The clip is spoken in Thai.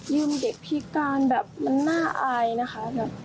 ยืมเด็กพี่การแบบน่าอายนะคะ